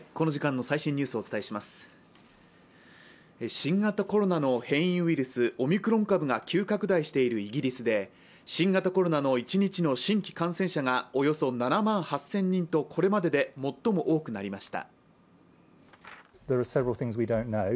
新型コロナの変異ウイルス、オミクロン株が急拡大しているイギリスで新型コロナの一日の新規感染者がおよそ７万８０００人とこれまでで最も多くなりました。